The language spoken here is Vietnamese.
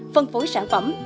phân phối sản phẩm